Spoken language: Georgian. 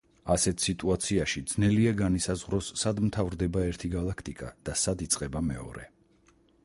ასეთი სიტუაციაში, ძნელია განისაზღვროს სად მთავრდება ერთი გალაქტიკა და სად იწყება მეორე.